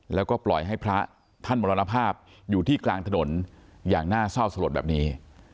แล้วก็ปล่อยให้พระท่านมรณภาพอยู่ที่กลางถนนอย่างน่าเศร้าสลดแบบนี้